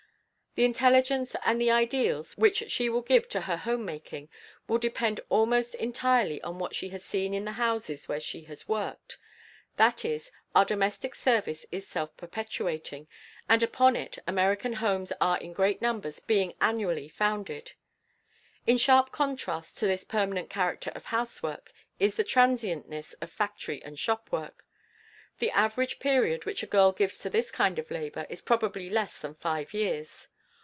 The intelligence and the ideals which she will give to her homemaking will depend almost entirely on what she has seen in the houses where she has worked; that is, our domestic service is self perpetuating, and upon it American homes are in great numbers being annually founded. In sharp contrast to this permanent character of housework is the transientness of factory and shop work. The average period which a girl gives to this kind of labor is probably less than five years.